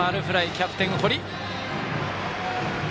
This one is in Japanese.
キャプテン、堀。